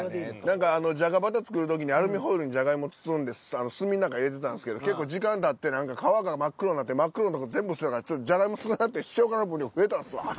何かあのじゃがバタ作る時にアルミホイルにジャガイモ包んで炭ん中入れてたんですけど結構時間たって何か皮が真っ黒なって真っ黒のとこ全部捨てたらちょっとジャガイモ少ななって塩辛の分量増えたんすわ。